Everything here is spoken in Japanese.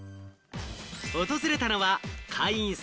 訪れたのは会員数